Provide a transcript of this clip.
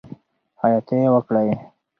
خیاطی وکړئ.